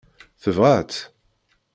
Tebɣa-tt?